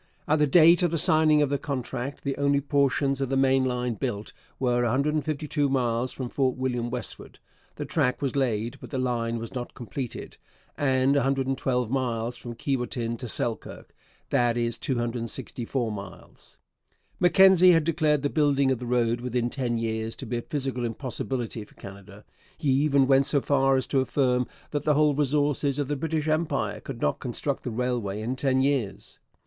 At the date of the signing of the contract the only portions of the main line built were 152 miles from Fort William westward (the track was laid, but the line was not completed) and 112 miles from Keewatin to Selkirk that is 264 miles. Mackenzie had declared the building of the road within ten years to be a physical impossibility for Canada. He even went so far as to affirm that the whole resources of the British Empire could not construct the railway in ten years.